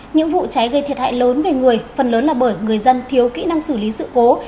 những vụ cháy gây thiệt hại lớn về người phần lớn là bởi người dân thiếu kỹ năng xử lý sự cố